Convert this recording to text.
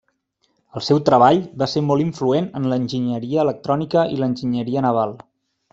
El seu treball va ser molt influent en l'enginyeria electrònica i l'enginyeria naval.